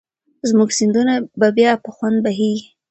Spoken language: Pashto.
زموږ سیندونه به بیا په خوند بهېږي.